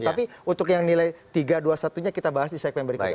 tapi untuk yang nilai tiga dua satunya kita bahas di segmen berikutnya